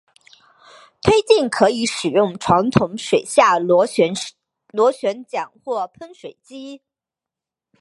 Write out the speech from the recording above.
推进可以使用传统水下螺旋桨或喷水机。